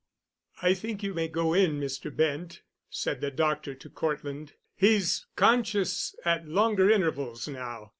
"I think you may go in, Mr. Bent," said the doctor to Cortland. "He's conscious at longer intervals now.